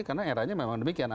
karena eranya memang demikian